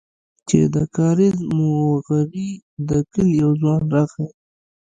چې د کاريز موغري د کلي يو ځوان راغى.